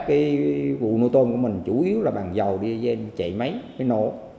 cái vụ nuôi tôm của mình chủ yếu là bằng dầu đi chạy máy cái nổ